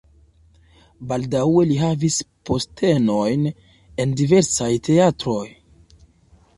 Baldaŭe li havis postenojn en diversaj teatroj.